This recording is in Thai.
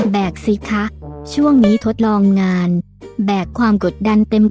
สิคะช่วงนี้ทดลองงานแบกความกดดันเต็ม